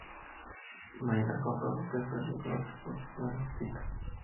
Mai no comparó su texto con ningún otro manuscrito.